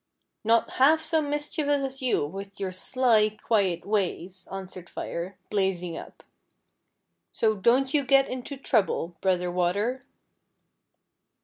" Not half so mischievous as you, with your sly, quiet ways," answered Fire, blazing up ;" so don't you get into trouble, brother Water."